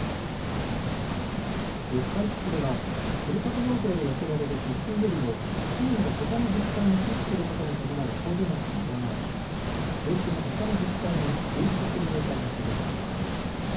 四日市市ではふるさと納税で寄せられる寄付金よりも市民がほかの自治体に寄付することに伴う控除額が上回り、税収がほかの自治体に流出する状態が続いています。